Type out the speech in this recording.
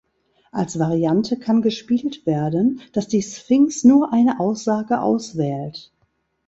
Als Variante kann gespielt werden, dass die Sphinx nur eine Aussage auswählt.